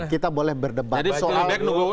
kita boleh berdebat soal